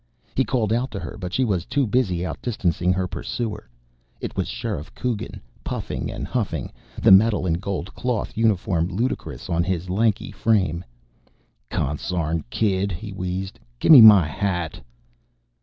He called out to her, but she was too busy outdistancing her pursuer. It was Sheriff Coogan, puffing and huffing, the metal and gold cloth uniform ludicrous on his lanky frame. "Consarn kid!" he wheezed. "Gimme my hat!"